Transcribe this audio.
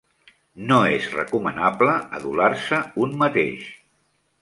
No és recomanable adular-se un mateix.